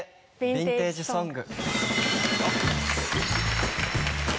ヴィンテージ・ソング』。